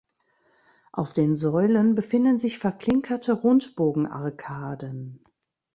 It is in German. Auf den Säulen befinden sich verklinkerte Rundbogenarkaden.